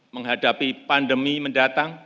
menghadapi pandemi mendatang